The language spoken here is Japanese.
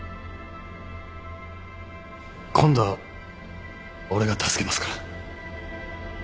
今度は俺が助けますから。